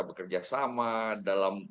bekerja sama dalam